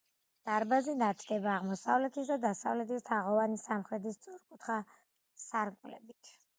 დარბაზი ნათდება აღმოსავლეთის და დასავლეთის თაღოვანი და სამხრეთის სწორკუთხა სარკმლებით.